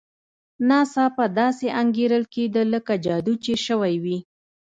ناڅاپه داسې انګېرل کېده لکه جادو چې شوی وي.